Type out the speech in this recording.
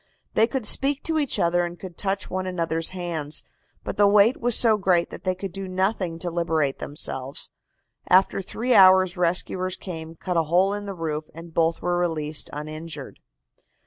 They could speak to each other and could touch one another's hands, but the weight was so great that they could do nothing to liberate themselves. After three hours rescuers came, cut a hole in the roof and both were released uninjured.